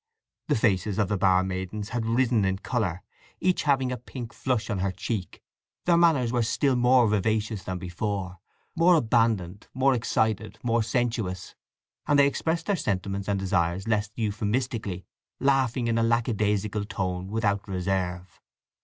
The faces of the barmaidens had risen in colour, each having a pink flush on her cheek; their manners were still more vivacious than before—more abandoned, more excited, more sensuous, and they expressed their sentiments and desires less euphemistically, laughing in a lackadaisical tone, without reserve.